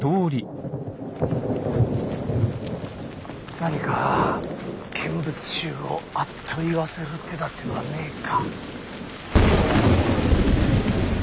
何か見物衆をあっと言わせる手だてはねえか。